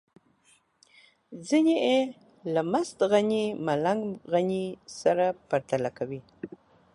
ځينې يې له مست غني ملنګ غني سره پرتله کوي.